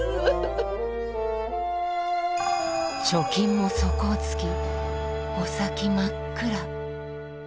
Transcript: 貯金も底をつきお先真っ暗。